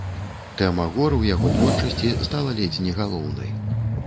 Тэма гор у яго творчасці стала ледзь не галоўнай.